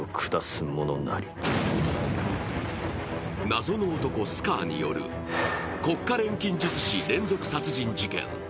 謎の男・スカーによる国家錬金術師連続殺人事件。